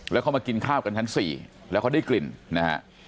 แล้วเขามากินข้าวกันชั้น๔แล้วเขาได้กลิ่นนะฮะ